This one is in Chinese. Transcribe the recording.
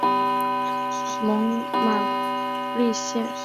蒙哥马利县是美国宾夕法尼亚州东南部的一个县。